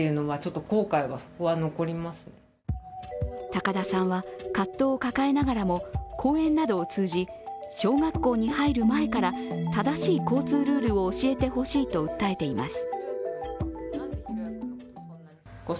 高田さんは葛藤を抱えながらも講演などを通じ小学校に入る前から正しい交通ルールを教えてほしいと訴えています。